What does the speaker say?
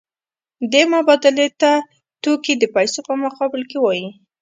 دې مبادلې ته توکي د پیسو په مقابل کې وايي